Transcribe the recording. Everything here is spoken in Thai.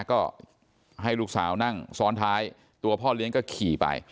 ก็ให้ลูกสาวนั่งซ้อนท้ายตัวพ่อเลี้ยงก็ขี่ไป